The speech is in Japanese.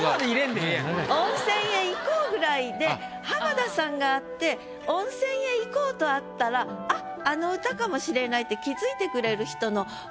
「温泉へ行こう」ぐらいで浜田さんがあって「温泉へ行こう」とあったらあっあの歌かもしれないって。